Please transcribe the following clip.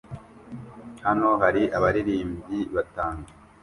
Hano hari abaririmbyi batanu